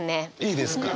いいですか。